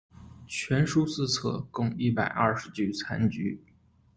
全书四册，共一百二十局残局。